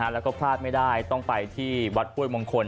แล้วก็พลาดไม่ได้ต้องไปที่วัดห้วยมงคล